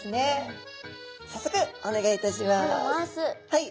はい。